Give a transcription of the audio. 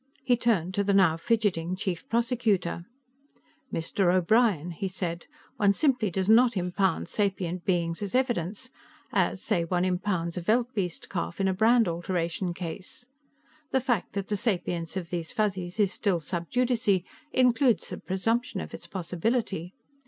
He turned to the now fidgeting Chief Prosecutor. "Mr. O'Brien," he said, "one simply does not impound sapient beings as evidence, as, say, one impounds a veldbeest calf in a brand alteration case. The fact that the sapience of these Fuzzies is still sub judice includes the presumption of its possibility.